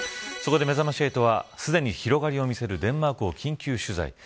そこで、めざまし８はすでに広がりを見せるデンマークを緊急取材。